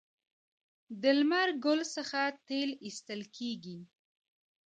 د لمر ګل څخه تیل ایستل کیږي.